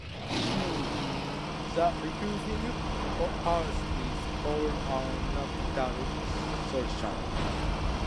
The resulting pulse is called an optical soliton.